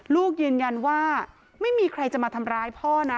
ลูกยืนยันว่าไม่มีใครจะมาทำร้ายพ่อนะ